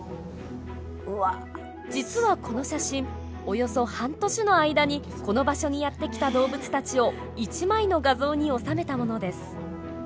実はこの写真およそ半年の間にこの場所にやって来た動物たちを１枚の画像に収めたものです。